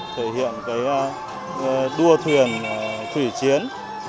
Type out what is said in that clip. thể hiện đua thuyền thủy chiến